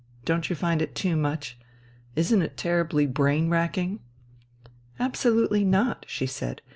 Don't you find it too much? Isn't it terribly brain racking?" "Absolutely not," she said.